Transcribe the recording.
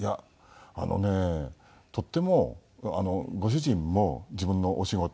あのねとってもご主人も自分のお仕事